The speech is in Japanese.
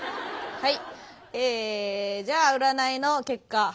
はい？